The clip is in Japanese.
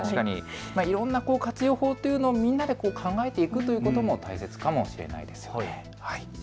いろんな活用法というのもみんなで考えていくということも大切かもしれないですね。